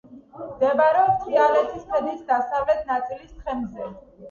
მდებარეობს თრიალეთის ქედის დასავლეთ ნაწილის თხემზე.